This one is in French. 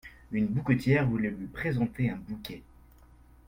Une bouquetière voulait lui présenter un bouquet.